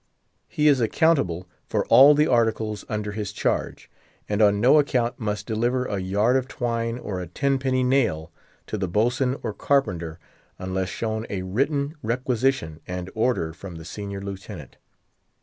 He is accountable for all the articles under his charge, and on no account must deliver a yard of twine or a ten penny nail to the boatswain or carpenter, unless shown a written requisition and order from the Senior Lieutenant.